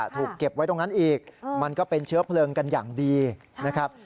ถูกเก็บไว้ตรงนั้นอีกมันก็เป็นเชื้อเพลิงกันอย่างดีนะครับ